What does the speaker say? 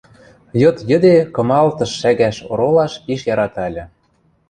йыд йӹде кымалтыш шӓгӓш оролаш пиш ярата ыльы.